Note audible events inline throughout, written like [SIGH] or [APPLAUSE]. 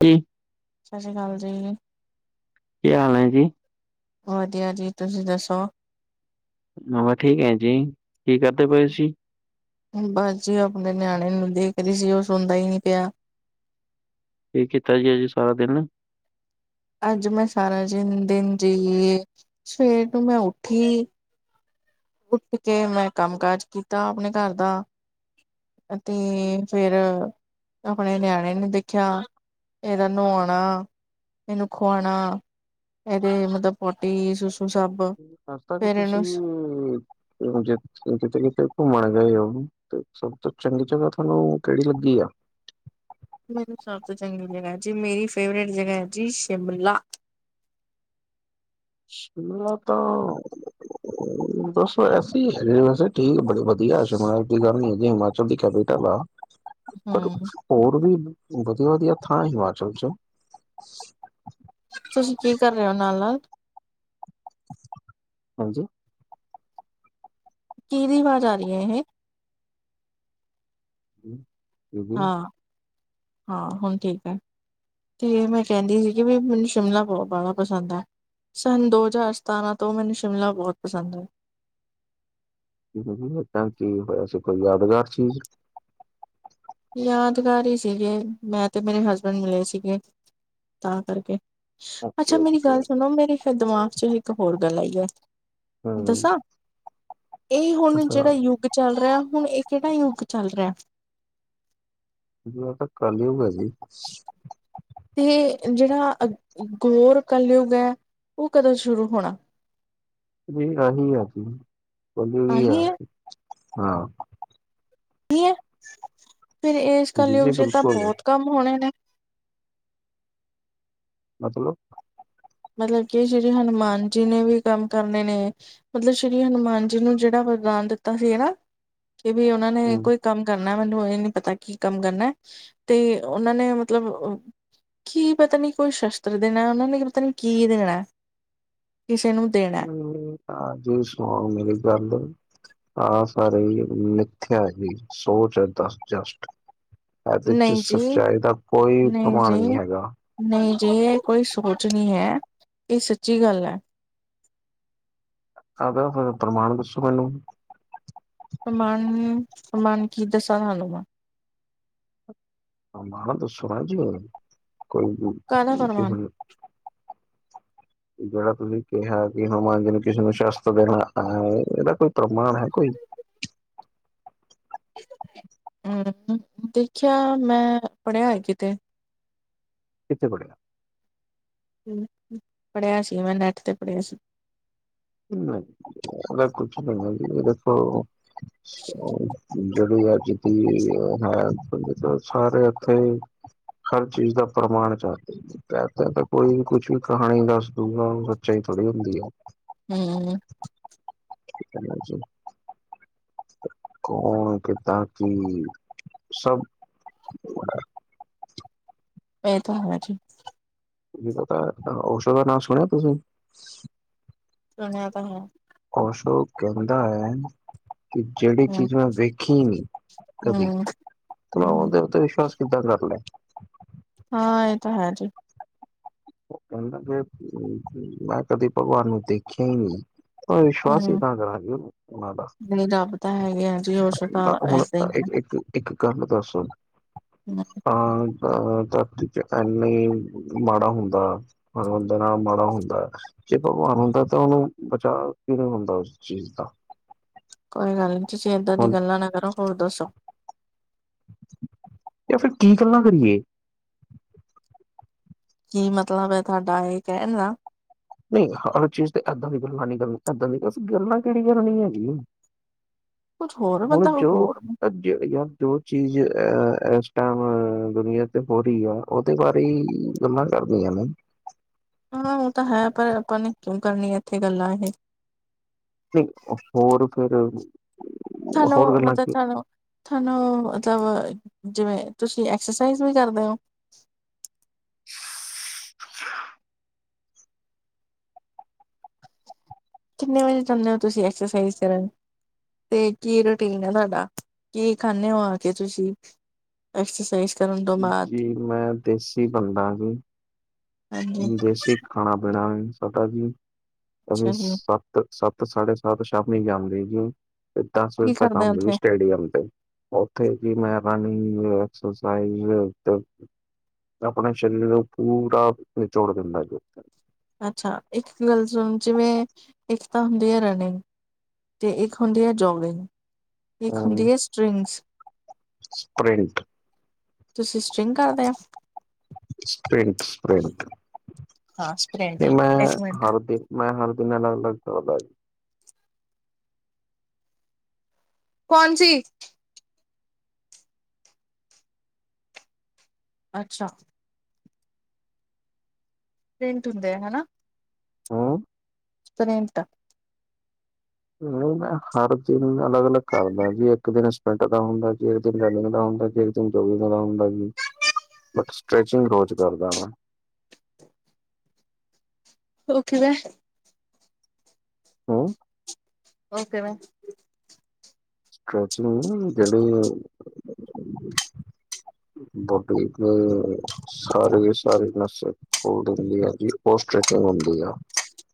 ਕੀ? ਸਤਿ ਸ਼੍ਰੀ ਅਕਾਲ ਜੀ। ਕੀ ਹਾਲ ਹੈ ਜੀ? ਵਧੀਆ ਜੀ ਤੁਸੀਂ ਦੱਸੋ? ਹਾ ਮੈ ਠੀਕ ਹੈ ਜੀ, ਕੀ ਕਰਦੇ ਪਏ ਸੀ? ਬਸ ਜੀ ਉਹ ਆਪਣੇ ਨਿਆਣੇ ਨੂੰ ਦੇਖ ਰੀ ਸੀ ਉਹ ਸੁਣਦਾ ਹੀ ਨਹੀਂੀ ਪਿਆ। ਕੀ ਕੀਤਾ ਜੀ ਅਜ ਸਾਰਾ ਦਿਨ? ਅੱਜ ਮੈਂ ਸਾਰਾ ਜਿਨ ਦਿਨ ਜੀ, ਸਵੇਰ ਦੀ ਮੈਂ ਉੱਠੀ ਉੱਠ ਕੇ ਮੈਂ ਕੰਮ ਕਾਜ ਕੀਤਾ ਆਪਨੇ ਘਰ ਦਾ ਅਤੇ ਫੇਰ ਆਪਣੇ ਨਿਆਣੇ ਨੂੰ ਦੇਖਿਆ ਇਹਦਾ ਨਹਾਉਣਾ, ਇਹਨੂੰ ਖੁਆਉਣਾ ਇਹਦੇ ਮਤਲਬ, ਪੋਟੀ ਸੁਸੂ ਸਭ ਹਫਤਾ ਤੱਕ ਫੇਰ ਇਹਨੂੰ ਤੁਸੀਂ, ਜ ਕਿਤੇ- ਕਿਤੇ ਘੁੰਮਣ ਗਏ ਹੋ, ਤੇ ਸਭ ਤੋਂ ਚੰਗੀ ਜਗ੍ਹਾ ਤੁਹਾਨੂੰ ਕਿਹੜੀ ਲੱਗੀ ਆ ਮੈਨੂੰ ਸਭ ਤੋਂ ਚੰਗੀ ਜਗਾ ਜੀ, ਮੇਰੀ ਫੇਵਰੇਟ ਜਗਹਾ ਹੈ ਜੀ ਸ਼ਿਮਲਾ ਸ਼ਿਮਲਾ ਤਾਂ [INAUDIBLE] ਦੱਸੋ ਐਸੇ ਹੀ ਵੈਸੇ ਠੀਕ ਬੜੇ ਵਧੀਆ ਸ਼ਿਮਲਾ, ਆਪ ਦੀ ਗੱਲ ਨੀ ਹੈਗੀ ਹਿਮਾਚਲ ਦੀ ਕੈਪੀਟਲ ਆ [INAUDIBLE] ਪਰ ਹਮ ਹੋਰ ਵੀ ਵਧੀਆ ਵਧੀਆ ਥਾਂ ਹਿਮਾਚਲ 'ਚੋਂ ਤੁਸੀਂ ਕੀ ਕਰ ਰਹੇ ਨਾਲ- ਨਾਲ ਹਾਂਜੀ ਕਿਹਦੀ ਆਵਾਜ਼ ਆ ਰਹੀ ਹੈ ਇਹ ਹਮ ਹਾਂ, ਹਾਂ ਹੁਣ ਠੀਕ ਐ ਕੀ ਮੈਂ ਕਹਿੰਦੀ ਸੀਗੀ ਵੀ ਮੈਨੂੰ ਸ਼ਿਮਲਾ ਬਹੁਤ ਬਾਲਾ ਪਸੰਦ ਆ ਸੰਨ ਦੋ ਹਜ਼ਾਰ ਸਤਾਰਾਂ ਤੋਂ ਮੈਨੂੰ ਸ਼ਿਮਲਾ ਬਹੁਤ ਪਸੰਦ ਹੈ ਐਦਾਂ ਕੀ ਹੋਇਆ ਸੀ ਕੋਈ ਯਾਦਗਾਰ ਚੀਜ਼ ਯਾਦਗਾਰ ਹੀ ਸੀਗੇ, ਮੈਂ ਤੇ ਮੇਰੇ ਹਸਬੈਂਡ ਮਿਲੇ ਸੀਗੇ, ਤਾਂ ਕਰਕੇ ਓਕੇ ਅੱਛਾ ਮੇਰੀ ਓਕੇ ਗੱਲ ਸੁਣੋ, ਮੇਰੇ ਫੇਰ ਦਿਮਾਗ 'ਚ ਇੱਕ ਹੋਰ ਗੱਲ ਆਈ ਐ ਹਾਂ ਇਹ ਹੁਣ ਜੇੜਾ ਯੁੱਗ ਚੱਲ ਰਿਹਾ, ਹੁਣ ਇਹ ਕੇੜਾ ਯੁੱਗ ਚੱਲ ਰਿਹਾ ਇਸ ਤੋਂ ਬਾਅਦ ਕੱਲਯੁਗ ਹੈ ਜੀ ਤੇ ਜਿਹੜਾ ਘੋਰ ਕਲਯੁਗ ਐ, ਉਹ ਕਦੋਂ ਸ਼ੁਰੂ ਹੋਣਾ? ਨਹੀ ਐਹੀ ਆ ਜੀ, ਪੰਦਰਵੀ ਆਹੀ ਆ ਹੈ, ਹਾਂ। ਇਹੀ ਹੈ, ਫਿਰ ਇਸ ਜੀ ਕਲਯੁਗ ਜੀ 'ਚ ਤਾਂ ਬਿਲਕੁਲ ਬਹੁਤ ਕੰਮ ਹੋਣੇ ਨੇ? ਮਤਲਬ? ਮਤਲਬ ਕਿ ਸ਼੍ਰੀ ਹਨੂੰਮਾਨ ਜੀ ਨੇ ਵੀ ਕੰਮ ਕਰਨੇ ਨੇ। ਮਤਲਬ ਸ਼੍ਰੀ ਹਨੂੰਮਾਨ ਜੀ ਨੂੰ ਜੇੜਾ ਵਰਦਾਨ ਦਿੱਤਾ ਸੀ ਨਾ, ਕਿ ਵੀ ਉਹਨਾਂ ਨੇ ਹਮ ਕੋਈ ਕੰਮ ਕਰਨਾ, ਮੈਨੂੰ ਇਹ ਨੀ ਪਤਾ, ਕੀ ਕੰਮ ਕਰਨਾ, ਤੇ ਉਹਨਾਂ ਨੇ ਮਤਲਬ ਕੀ ਪਤਾ ਨੀ ਕੋਈ ਸ਼ਸਤਰ ਦੇਣਾ, ਉਹਨਾਂ ਨੇ ਪਤਾ ਨੀ ਕੀ ਦੇਣਾ, ਕਿਸੇ ਨੂੰ ਦੇ। ਹਮ ਤਾਂ ਜੋ ਸੁਣੋ ਮੇਰੀ ਗੱਲ ਹਾਂ ਸਾਰੇ ਮਿਥਿਆ ਹੀ, ਸੋਚ ਜਸਟ ਜਸਟ। ਐਹਦੇ 'ਚ ਨਹੀਂ ਜੀ ਸੱਚਾਈ ਦਾ ਕੋਈ ਨਹੀਂ ਘਮਾਣ ਜੀ ਨੀ ਹੈਗਾ। ਨਹੀਂ ਜੀ ਇਹ ਕੋਈ ਸੋਚ ਨਹੀਂ ਹੈ, ਇਹ ਸੱਚੀ ਗੱਲ ਐ। ਐਦਾ ਫਿਰ ਪ੍ਰਮਾਣ ਦੱਸੋ ਮੈਨੂੰ? ਪ੍ਰਮਾਣ, ਪ੍ਰਮਾਣ ਕੀ ਦੱਸਾਂ ਤੁਹਾਨੂੰ ਮੈਂ? ਪ੍ਰਮਾਣ ਦੱਸੋ ਮੈਮ ਜੀ ਹੋਰ, ਕੋਈ ਕਾਹਦਾ ਕਿਸੇ ਪ੍ਰਮਾਣ? ਜੇੜਾ ਤੁਸੀਂ ਕਿਹਾ ਕਿ ਹਨੂੰਮਾਨ ਜੀ ਨੂੰ ਕਿਸੇ ਨੂੰ ਸ਼ਸਤ੍ਰ ਦੇਣਾ ਹੈ ਇਹਦਾ ਕੋਈ ਪ੍ਰਮਾਣ ਹੈ ਕੋਈ? ਹਮ, ਦੇਖਿਆ ਮੈਂ ਪੜਿਆ ਕਿਤੇ। ਕਿੱਥੇ ਪੜਿਆ? ਪੜ੍ਹੇਆ ਸੀ ਮੈਂ, ਨੈਟ ਤੇ ਪੜ੍ਹੇਆ ਸੀ। ਨਈ ਏਦਾਂ ਦਾ ਕੁੱਛ ਨੀ ਐ ਦੇਖੋ ਜੇੜੀ ਅੱਜ ਦੀ ਐ, ਸਾਰੇ ਏਥੇ ਹਰ ਚੀਜ਼ ਦਾ ਪ੍ਰਮਾਣ ਕਰਦੇ ਤਾਂ ਕੋਈ ਵੀ ਕੁਛ ਵੀ ਕਹਾਣੀ ਦੱਸ ਦੂਗਾ, ਓ ਸੱਚਾਈ ਥੋੜ੍ਹੀ ਹੁੰਦੀ ਐ। ਹੂੰ। ਠੀਕ ਨਾ ਜੀ। ਕੋਣ, ਕਿੱਦਾ, ਕੀ ਸਬ ਏ ਤਾਂ ਹੈ ਜੀ। ਪਤਾ ਊਸਾ ਦਾ ਨਾਂ ਸੁਣਿਆ ਤੁਸੀਂ? ਸੁਣਿਆ ਤਾਂ ਹੈ। ਕੌਸੋ ਕੈਂਦਾ ਹੈ ਕਿ ਜੇੜੀ ਹੂੰ ਚੀਜ਼ ਮੈਂ ਵੇਖੀ ਨੀ ਕਦੀ, ਹੂੰ ਤੇ ਮੈਂ ਹੂੰ ਓਦੇ ਉਤੇ ਵਿਸ਼ਵਾਸ ਕਿੱਦਾ ਕਰ ਲਾ? ਹਾਂ, ਏ ਤਾਂ ਹੈ ਜੀ। ਓ ਕੈਂਦਾ ਜੇ, ਮੈਂ ਕਦੇ ਭਗਵਾਨ ਨੂੰ ਦੇਖਿਆ ਈ ਨੀ। ਵਿਸ਼ਵਾਸ ਈ ਹੂੰ ਤਾਂ ਕਰਾਂਗੇ, ਓਨਾਂ ਦਾ ਨਹੀਂ ਰੱਬ ਤਾਂ ਹੈਗੇ ਆ ਜੀ ਉਸ ਤਾਂ ਹੁਣ ਏਦਾਂ ਹੀ ਇੱਕ ਇੱਕ ਗੱਲ ਦੱਸ ਆ ਹੈ ਅ ਧਰਤੀ ਚ ਐਨੀ ਮਾੜਾ ਹੁੰਦਾ, ਬੰਦੇ ਨਾਲ ਮਾੜਾ ਹੁੰਦਾ ਜੇ ਭਗਵਾਨ ਹੁੰਦਾ ਤਾਂ ਓਹਨੂੰ ਬਚਾਵ ਕਿਵੇ ਹੁੰਦਾ ਓਸ ਚੀਜ਼ ਦਾ? ਕੋਈ ਗੱਲ ਨੀ ਤੁਸੀਂ ਏਦਾਂ ਦੀ ਹੁਣ ਗੱਲਾਂ ਨਾ ਕਰੋ ਹੋਰ ਦੱਸੋ? ਯਾ ਫੇਰ ਕੀ ਗੱਲਾਂ ਕਰੀਏ? ਕੀ ਮਤਲਬ ਐ, ਤੁਆਡਾ ਏ ਕੈਣ ਦਾ? ਨਈ ਹਰ ਚੀਜ਼ ਤੇ ਏਦਾਂ ਦੀ ਗੱਲਾਂ ਨੀ ਕਰਨੀ, ਏਦਾਂ ਦੀ ਗੱਲਾਂ ਅਸੀ ਗੱਲਾਂ ਕੇੜੀ ਕਰਨੀ ਹੈਗੀ ਏ? ਕੁਛ ਹੋਰ ਹੁਣ ਮਤਲਬ ਜੋ ਹੋਰ ਯ ਜੋ ਚੀਜ਼ ਅਹ ਐਸ ਟੈਮ ਦੁਨੀਆਂ ਤੇ ਹੋ ਰਹੀ ਆ, ਉਹਦੇ ਬਾਰੇ ਗੱਲਾਂ ਕਰਦੇ ਆ ਨਾ। ਹਾਂ ਓ ਤਾਂ ਹੈ ਪਰ ਆਪਾਂ ਨੇ ਕਿਉਂ ਕਰਨੀ ਐ ਇੱਥੇ ਗੱਲਾਂ ਇਹ। ਹੋਰ ਫੇਰ ਚਲੋ ਮਤਬ ਚਲੋ ਤੁਆਨੂੰ ਮਤਲਬ ਜਿਵੇਂ ਤੁਸੀਂ ਐਕਸਰਸਾਈਜ਼ ਵੀ ਕਰਦੇ ਓ? ਕਿੰਨੇ ਵਜੇ ਜਾਂਣੇ ਓ ਤੁਸੀਂ ਐਕਸਰਸਾਈਜ਼ ਕਰਨ? ਤੇ ਕੀ ਰੂਟੀਨ ਐ ਤੁਆਡਾ ਕੀ ਖਾਂਣੇ ਓ ਆ ਕੇ ਤੁਸੀਂ? ਐਕਸਰਸਾਈਜ਼ ਕਰਨ ਤੋਂ ਬਾਅਦ? ਜੀ ਮੈਂ ਦੇਸੀ ਬੰਦਾ ਜੀ। ਹਾਂਜੀ ਦੇਸ਼ੀ ਖਾਣਾ-ਪੀਣਾ ਏ ਸਾਡਾ ਜੀ, ਅਸੀਂ ਅੱਛਾ ਜੀ ਸ ਸੱਤ ਸਾਢੇ, ਸੱਤ ਸ਼ਾਮੀ ਜਾਂਦੇ ਜੀ ਤੇ ਦਸ ਕੀ ਵਜੇ ਤੱਕ ਕਰਦੇ ਆਂਦੇ ਜੀ ਉੱਥੇ? ਸਟੇਡੀਅਮ ਤੇ ਉਥੇ ਜੀ ਮੈਂ ਰਨਿੰਗ, ਐਕਸਰਸਾਈਜ਼ ਆਪਣੇ ਸਰੀਰ ਨੂੰ ਪੂਰਾ ਨਿਚੋੜ ਦਿੰਦਾ ਐ ਜੀ ਅੱਛਾ, ਇੱਕ ਗੱਲ ਸੁਣ ਜਿਵੇਂ ਇੱਕ ਤਾਂ ਹੁੰਦੀ ਐ ਰਨਿੰਗ ਤੇ ਇੱਕ ਹੁੰਦੀ ਐ ਜੋਗਿੰਗ ਇਕ ਹੁੰਦੀ ਅ ਏ ਸਟ੍ਰਿੰਗਸ ਸਪ੍ਰਿੰਟ ਤੁਸੀਂ ਸਟਰਿੰਗ ਕਰਦੇ ਆ। ਹਾਂ ਸਪ੍ਰਿੰਟ ਨਈ ਮੈਂ ਇੱਕ ਮਿੰਟ ਹਰ ਦਿਨ ਮੈਂ ਹਰ ਦਿਨ ਅਲਗ-ਅਲਗ ਕਰਦਾ ਜੀ। ਕੌਣ ਸੀ? ਅੱਛਾ! ਪ੍ਰਿੰਟ ਹੁੰਦੇ ਹਨਾ। ਹਾਂ। ਪ੍ਰਿੰਟ। ਨਹੀਂ ਮੈਂ ਹਰ ਦਿਨ ਅਲੱਗ-ਅਲੱਗ ਕਰਦਾ ਜੀ, ਇੱਕ ਦਿਨ ਸਪਿੰਟ ਦਾ ਹੁੰਦਾ, ਜੇ ਇੱਕ ਦਿਨ ਰਨਿੰਗ ਦਾ ਹੁੰਦਾ ਜੇ। ਹੁੰਦਾ ਵਾਲਾ ਹੀ ਬਟ ਸਟ੍ਰੈਚਿੰਗ ਰੋ ਕਰਦਾ ਵਾਂ। ਰੁੱਖ ਗਏ ਹਾਂ! ਓ ਕਿਵੇਂ? ਸ੍ਰੋਚ ਗੜ [UNINTELLIGIBLE] ਪਬਲਿਕ ਨੇ ਸਾਰੇ-ਸਾਰੇ ਨੱਸੇ ਹੋਲਡ ਰਹਿੰਦੀ ਆ ਜੀ ਉਹ ਸਟ੍ਰਚਿੰਗ ਹੁੰਦੀ ਆ।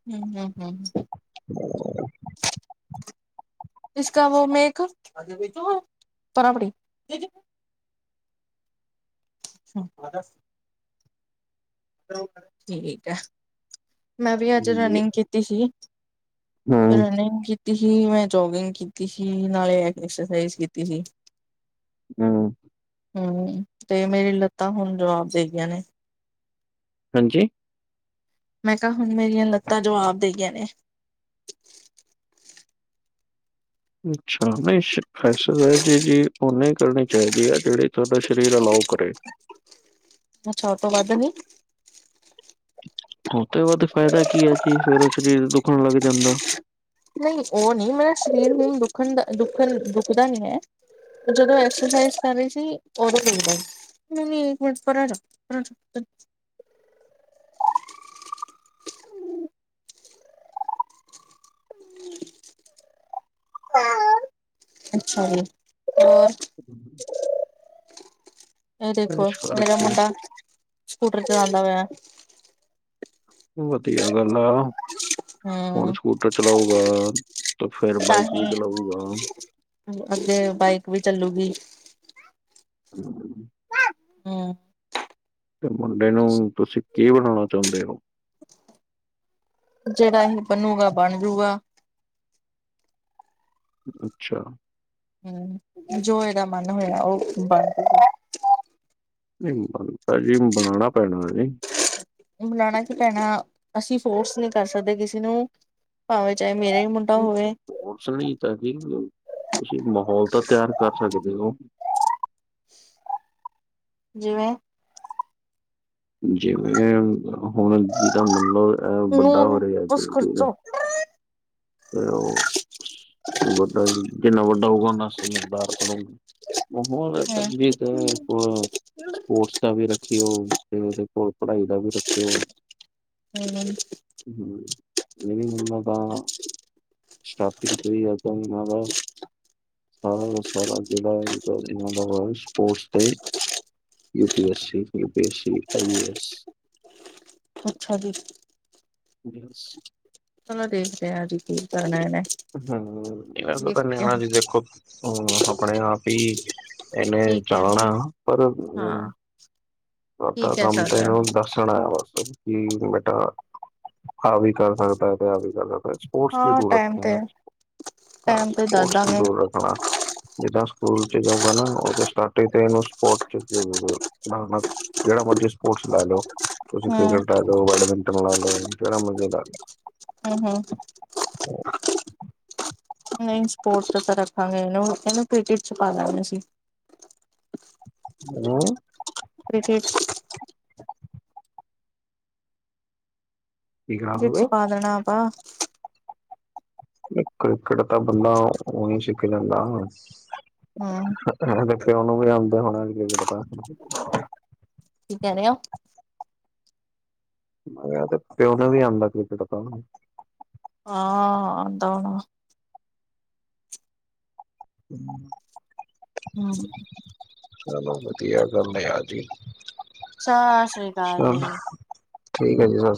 ਹੂ, ਹੂ, ਹੂ [INAUDIBLE] ਇਸ ਕਾ ਵੀ ਮੇਕ, ਤਰਾਪੜੀ ਹੂ, ਸ਼ਦੱਸ ਠੀਕ ਐ, ਮੈ ਵੀ ਅੱਜ ਜੀ, ਰਨਿੰਗ ਕੀਤੀ ਸੀ। ਹੂੰ ਰਨਿੰਗ ਕੀਤੀ ਸੀ, ਮੈ ਜੋਗਿੰਗ ਕੀਤੀ ਸੀ, ਨਾਲੇ ਐਕਸਰਸਾਈਜ਼ ਕੀਤੀ ਸੀ। ਹੂੰ। ਹੂੰ ਤੇ ਮੇਰੀ ਲੱਤਾਂ ਹੁਣ ਜਵਾਬ ਦੇ ਗਈਆਂ ਨੇ। ਹਾਂਜੀ! ਮੈ ਕਿਹਾ ਹੁਣ ਮੇਰੀਆਂ ਲੱਤਾਂ ਜਵਾਬ ਦੇ ਗਈਆਂ ਨੇ। ਅੱਛਾ, ਨਹੀ ਐਕਸਾਈਜ਼ ਜੀ ਓਨੀ ਕਰਨੀ ਚਾਹੀਦੀ ਆ ਜਿਹੜੀ ਤੁਹਾਡਾ ਸਰੀਰ ਅਲਾਓ ਕਰੇ। ਅੱਛਾ ਓ ਤੋ ਵੱਧ ਨੀ? ਉਹ ਤੇ ਬਾਅਦ ਫਾਇਦਾ ਕੀ ਹੈ ਜੀ, ਫੇਰ ਉਹ ਸਰੀਰ ਦੁੱਖਣ ਲੱਗ ਜਾਦਾ। ਨਹੀ ਉਹ ਨਹੀ ਮੇਰਾ ਸਰੀਰ ਨੂੰ ਦੁਖਣ ਦਾ ਦੁੱਖਣ ਦੁਖਦਾ ਨਹੀ ਹੈ ਜਦੋ ਐਕਸਰਸਾਈਜ਼ ਕਰ ਰਹੀ ਸੀ, ਉਦੋ ਦੁਖਦਾ। ਨਹੀ-ਨਹੀ ਇਕ ਮਿੰਟ ਪਰਾਂ ਹਟ, ਪਰਾ ਹਟੋ। ਹ [INAUDIBLE] ਅੱਛਾ ਜੀ, ਹੋਰ? ਇਹ ਦੇਖੋ ਇਸ ਮੇਰਾ ਕਰਕੇ ਮੁੰਡਾ, ਸਕੂਟਰ ਚਲਾਂਦਾ ਪਿਆ। ਵਧੀਆ ਗੱਲ ਆ। ਹੁਣ ਹੂੰ ਸਕੂਟਰ ਚਲਾਉਗਾ ਤੇ ਫੇਰ ਬਾਈਕ ਵੀ ਚਲਾਊਗਾ। ਹੁਣ ਅੱਗੇ ਬਾਈਕ ਵੀ ਚੱਲੂਗੀ। ਹੂ। ਹੂੰ। ਤੇ ਮੁੰਡੇ ਨੂੰ ਤੁਸੀਂ ਕੀ ਬਣਾਉਣਾ ਚਾਹੁੰਦੇ ਹੋ? ਜਿਹੜਾ ਇਹ ਬਨੂਗਾ, ਬਣ ਜੂਗਾ। ਅੱਛਾ। ਹੂ, ਜੋ ਇਹਦਾ ਮਨ ਹੋਇਆ ਉਹ ਬਣ ਜੂਗਾ। ਨਹੀਂ ਮਨ ਤਾਂ ਜੀ ਬਣਾਣਾ ਪੈਣਾ ਜੀ। ਨਹੀਂ ਬਨਾਣਾ ਕੀ ਪੈਣਾ, ਅਸੀਂ ਫੋਰਸ ਨਹੀਂ ਕਰ ਸਕਦੇ ਕਿਸੇ ਨੂੰ, ਭਾਵੇਂ ਚਾਹੇ ਮੇਰੇ ਵੀ ਮੁ ਫੋਰਸ ਨਹੀਂ ਤਾਂ ਕੀ ਤੁਸੀਂ ਮਾਹੌਲ ਤਾਂ ਤਿਆਰ ਕਰ ਸਕਦੇ ਹੋ। ਜਿਵੇਂ ਜਿਵੇਂ ਹੁਣ ਜਿਦਾ ਮਤਲਬ ਐ ਵੱਡਾ ਹੋ ਨੂਨ ਰਿਹਾ ਬਸ ਖਰਚੋ ਹੈਲੋ, ਉਹ ਵੱਡਾ, ਜਿੰਨਾ ਵੱਡਾ ਹੋਊਗਾ ਓਨਾ ਸਮਝਦਾਰ ਬਣੂ ਮਾਹੌਲ ਹੂੰ ਤੰਗੀ ਤੈ ਕੋਲ ਸਪੋਰਟਸ ਦਾ ਵੀ ਰੱਖਿਔ, ਤੇ ਉਹਦੇ ਕੋਲ ਪੜ੍ਹਾਈ ਦਾ ਵੀ ਰੱਖਿਔ ਹੇਮਨ ਹਮ, ਮੇਰੀ ਮੰਨੋ ਤਾਂ ਸਟਾਫ ਹੀ ਆਦਾ ਮਾਵਾ ਹਾਂ ਸਾਰਾ ਜੇੜਾ ਇਹਨਾਂ ਦਾ ਵਾ ਸਪੋਰਟਸ ਤੇ U P S C, P P S C, ਆਈਏ ਐੱਸ ਅੱਛਾ ਜੀ ਜੈਸ ਚਲੋ ਦੇਖਦੇ ਹਾਂ ਅਜ ਕੀ ਕਰਨਾ ਇਹਨੇ ਹਮ, ਐਦਾ ਤਾਂ ਨਿਆਣਾ ਵੀ ਦੇਖੋ, ਹਮ ਆਪਣੇ ਆਪ ਹੀ ਇਹਨੇ ਠੀਕ ਹੈ ਜਾਣਾ ਪਰ ਉਹ [INAUDIBLE] ਕੀ ਆਪਣਾ ਕਹਿ ਕੰਮ ਤੇ ਸਕਦੇ ਇਹਨਾਂ ਆ ਨੂੰ ਦੱਸ ਥੋੜਾ ਹੋਰ ਸਭ ਕਿ ਬੇਟਾ ਆਹ ਵੀ ਕਰ ਸਕਦਾ ਤੇ ਆਹ ਵੀ ਕਰ ਸਕਦਾ ਹਾਂ ਸਪੋਰਟਸ ਦੀ ਹਾਂ ਜ਼ਰੂਰਤ ਟਾਈਮ ਹੈ ਤੇ ਨਾ, ਹਾਂ ਟਾਈਮ ਤੇ ਦੱਸ ਸਪੋਰਟਸ ਦੀ ਜ਼ਰੂਰਤ [INAUDIBLE] ਜਿੱਦਾਂ ਸਕੂਲ 'ਚ ਜਾਊਗਾ ਨਾ, ਉਦੋਂ ਸਟਾਰਟਿੰਗ ਤੇ ਇਹਨੂੰ ਸਪੋਰਟ 'ਚ ਜ਼ਰੂਰ ਡਾਲਨਾ ਜੇੜਾ ਮਰਜ਼ੀ ਸਪੋਰਟਸ ਲਾ ਲਓ, ਤੁਸੀਂ ਹੂੰ ਕ੍ਰਿਕੇਟ ਲਾ ਲਓ, ਬੈਡਮਿੰਟਨ ਲਾ ਲਓ, ਜੇੜਾ ਮਰਜ਼ੀ ਲਾ ਲਓ ਹਾਂ -ਹਾਂ ਨਹੀਂ ਸਪੋਰਟਸ 'ਚ ਸਰ ਰੱਖਾਂਗੇ ਇਹਨੂੰ, ਇਹਨੂੰ ਕ੍ਰਿਕੇਟ 'ਚ ਪਾ ਦਾਂਗੇ ਅਸੀਂ ਹਮ ਕ੍ਰਿਕੇਟ ਕੀ ਕਰਾ ਉਹ 'ਚ ਦੋਗੇ ਪਾ ਦੇਣਾ ਅਪਾਂ ਕ੍ਰਿਕੇਟ, ਕ੍ਰਿਕੇਟ ਦਾ ਬੰਦਾ ਔਂਹੀ ਸਿੱਖ ਜਾਂਦਾ ਹਮ ਐਹਦੇ ਪਿਓ ਨੂੰ ਵੀ ਆਉਂਦਾ ਹੋਣਾ ਕ੍ਰਿਕੇਟ ਦਾ ਕੀ ਕਹਿ ਰਹੇ ਓ ਮੈਂ ਕਿਹਾ ਪਿਓ ਨੂੰ ਵੀ ਆਉਂਦਾ ਕ੍ਰਿਕੇਟ ਤਾਂ ਹਾਂ ਆਉਂਦਾ ਹੋਣਾ [INAUDIBLE] ਹੋਰ ਚਲੋ ਵਧੀਆ ਗੱਲ ਹੈ ਆਜੀ ਸਸ਼੍ਰੀ ਅਕਾਲ ਜੀ ਠੀਕ ਹੈ ਜੀ ਸਸ